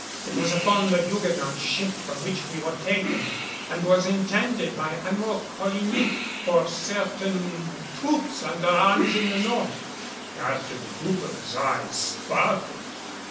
It was upon the Huguenot ship from which we were taken and was intended by Admiral Coligny for certain troops under arms in the north." Captain Hooper's eyes sparkled.